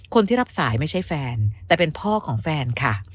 คนที่รับสายไม่ใช่แฟนแต่เป็นพ่อของแฟนค่ะ